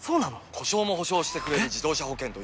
故障も補償してくれる自動車保険といえば？